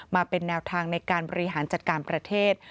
มาเป็นแนวทางในการบริหารจัดการประเทศ